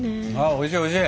おいしいおいしい。